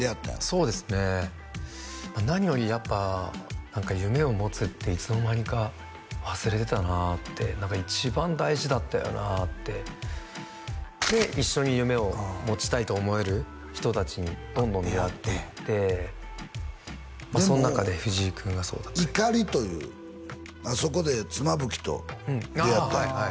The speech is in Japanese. そうですね何よりやっぱ何か夢を持つっていつの間にか忘れてたなって一番大事だったよなってで一緒に夢を持ちたいと思える人達にどんどん出会っていってその中で藤井君がそうだったり「怒り」というあそこで妻夫木と出会ったやんああ